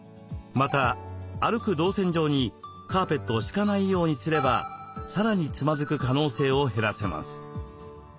また歩く動線上にカーペットを敷かないようにすればさらにつまずく可能性を減らせます。